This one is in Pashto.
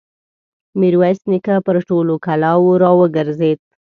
ميرويس نيکه پر ټولو کلاوو را وګرځېد.